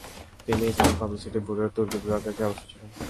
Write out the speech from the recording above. তিনি eastern publicity ব্যুরোর তুর্কি বিভাগের চেয়ারপার্সন ছিলেন।